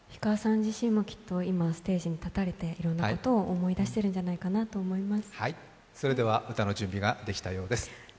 自身もきっと今、ステージに立たれていろんなことを思い出してるんじゃないかなと思います。